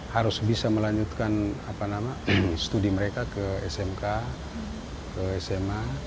harus bisa melanjutkan studi mereka ke smk ke sma